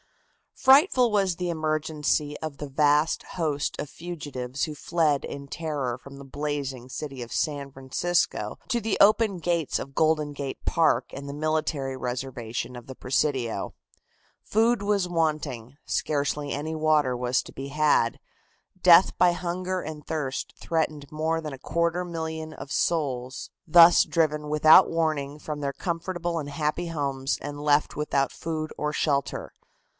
Frightful was the emergency of the vast host of fugitives who fled in terror from the blazing city of San Francisco to the open gates of Golden Gate Park and the military reservation of the Presidio. Food was wanting, scarcely any water was to be had, death by hunger and thirst threatened more than a quarter million of souls thus driven without warning from their comfortable and happy homes and left without food or shelter.